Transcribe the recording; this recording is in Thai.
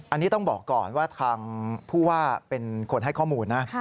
อันนี้ต้องบอกก่อนว่าทางผู้ว่าเป็นคนให้ข้อมูลนะ